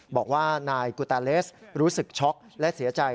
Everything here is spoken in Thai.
บอกว่านายกุตาเลสรู้สึกช็อกและเสียใจ